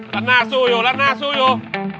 ดังหน้าสู้อยู่ดังหน้าสู้อยู่